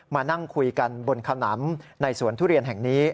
มานั่งคุยกันบนขนำในสวนทุเรียนแห่งนี้